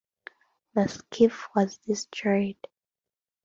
The skiff was destroyed.